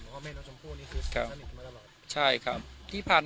วันนี้ก็จะเป็นสวัสดีครับ